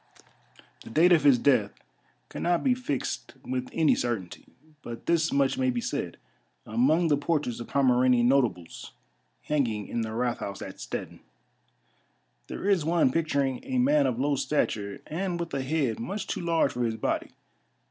The date of his death cannot be fixed with any certainty ; but this much may be said : Among the portraits of Pomeranian notables hanging in the Rathhaus at Stettin, there is one picturing a man of low stature, and with a head much too large for his body.